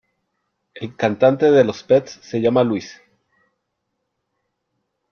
El cantante de los Pets se llama Luís.